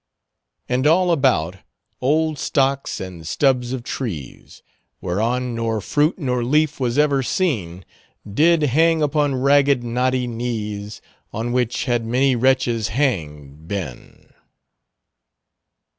"And all about old stocks and stubs of trees, Whereon nor fruit nor leaf was ever seen, Did hang upon ragged knotty knees, On which had many wretches hanged been."